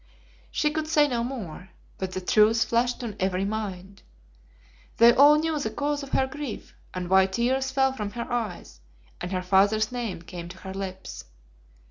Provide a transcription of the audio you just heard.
She could say no more, but the truth flashed on every mind. They all knew the cause of her grief, and why tears fell from her eyes and her father's name came to her lips.